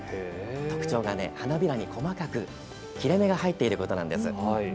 特徴が花びらに細かく切れ目が入っていることなんです。